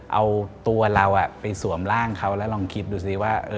เอาตัวเราไปสวมร่างเขาแล้วลองคิดดูสิว่า